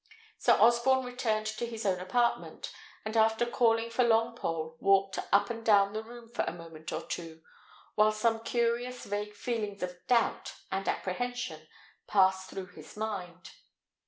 Sir Osborne returned to his own apartment, and after calling for Longpole, walked up and down the room for a moment or two, while some curious, vague feelings of doubt and apprehension passed through his mind.